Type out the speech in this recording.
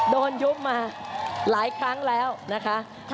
โดนยุบมาหลายครั้งแล้วนะคะ